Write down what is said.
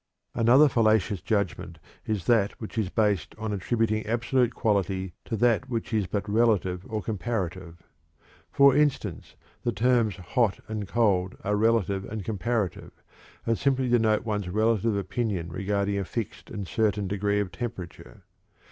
Another fallacious judgment is that which is based on attributing absolute quality to that which is but relative or comparative. For instance, the terms "hot" and "cold" are relative and comparative, and simply denote one's relative opinion regarding a fixed and certain degree of temperature.